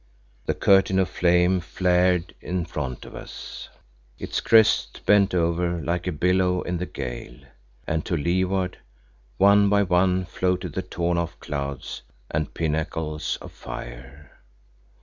The curtain of flame flared in front of us, its crest bent over like a billow in the gale, and to leeward, one by one, floated the torn off clouds and pinnacles of fire.